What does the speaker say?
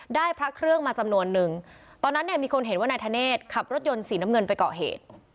พระเครื่องมาจำนวนนึงตอนนั้นเนี่ยมีคนเห็นว่านายธเนธขับรถยนต์สีน้ำเงินไปก่อเหตุ